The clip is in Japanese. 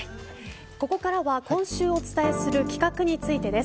ここからは今週お伝えする企画についてです。